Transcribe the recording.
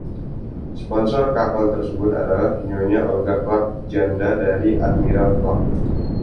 Sponsor kapal tersebut adalah Nyonya Olga Clark, janda dari Admiral Clark.